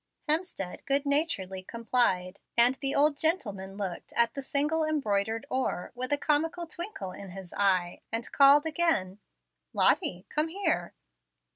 Hemstead good naturedly complied, and the old gentleman looked at the single embroidered oar, with a comical twinkle in his eye, and called again, "Lottie, come here."